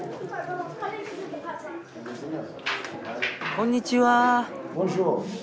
こんにちは。